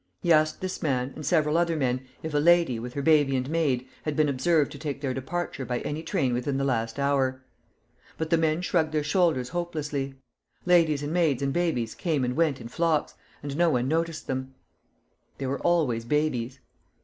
He asked this man, and several other men, if a lady, with her baby and maid, had been observed to take their departure by any train within the last hour. But the men shrugged their shoulders hopelessly. Ladies and maids and babies came and went in flocks, and no one noticed them. There were always babies.